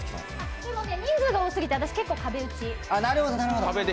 でもね、人数が多すぎて私、結構壁打ち。